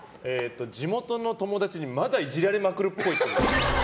地元の友達にまだイジられまくるっぽい。